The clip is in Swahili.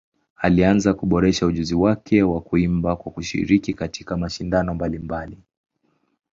Alianza kuboresha ujuzi wake wa kuimba kwa kushiriki katika mashindano mbalimbali.